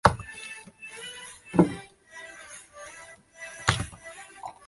这一理论的支持者被称作迦南主义者。